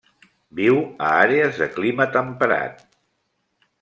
Viu a àrees de clima temperat.